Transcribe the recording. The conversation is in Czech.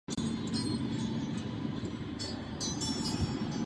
Křest a prezentace alba proběhla v pražském Lucerna Music Baru.